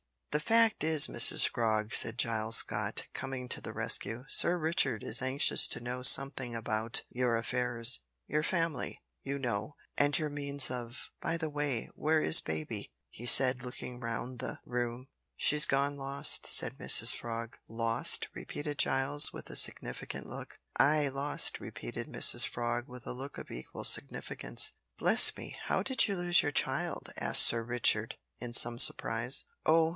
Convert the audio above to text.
"The fact is, Mrs Frog," said Giles Scott, coming to the rescue, "Sir Richard is anxious to know something about your affairs your family, you know, and your means of by the way, where is baby?" he said looking round the room. "She's gone lost," said Mrs Frog. "Lost?" repeated Giles, with a significant look. "Ay, lost," repeated Mrs Frog, with a look of equal significance. "Bless me, how did you lose your child?" asked Sir Richard, in some surprise. "Oh!